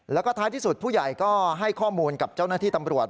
แล้วก็ท้ายที่สุดผู้ใหญ่ก็ให้ข้อมูลกับเจ้าหน้าที่ตำรวจ